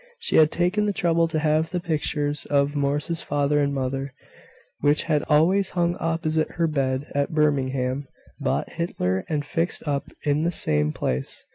She had taken the trouble to have the pictures of Morris's father and mother, which had always hung opposite her bed at Birmingham, brought hither, and fixed up in the same place.